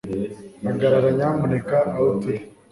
hagarara nyamuneka aho turi